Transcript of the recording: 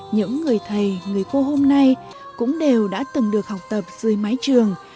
những người thầy người cô hôm nay cũng đều đã từng được học tập dưới mái trường